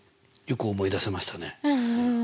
よく思い出せましたね。